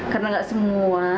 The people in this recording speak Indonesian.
karena tidak semua